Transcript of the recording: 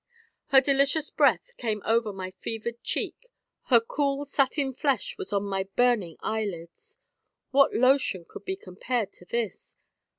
Her delicious breath came over my fevered cheek, her cool satin flesh was on my burning eyelids. What lotion could be compared to this?